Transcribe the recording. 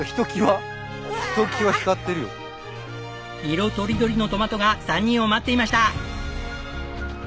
色とりどりのトマトが３人を待っていました！